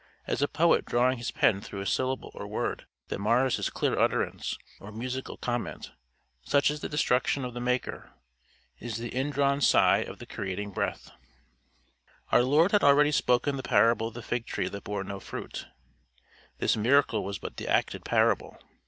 As a poet drawing his pen through syllable or word that mars his clear utterance or musical comment, such is the destruction of the Maker. It is the indrawn sigh of the creating Breath. Our Lord had already spoken the parable of the fig tree that bore no fruit. This miracle was but the acted parable.